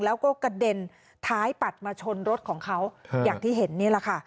แล้วก็กระเด็นท้ายปัดมาชนรถของเขาอย่างที่เห็นนี่แหละค่ะ